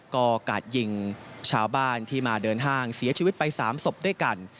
ก็กาดยิงชาวบ้านที่มาเดินห้างเสียชีวิตไป๓ศพด้วยกัน